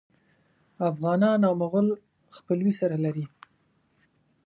افغانان او مغول خپلوي سره لري.